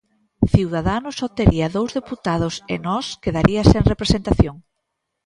Ciudadanos obtería dous deputados e Nós quedaría sen representación.